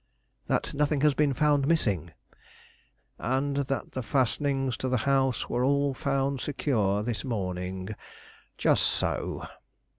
"That nothing has been found missing " "And that the fastenings to the house were all found secure this morning; just so."